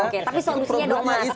oke tapi solusinya dong mas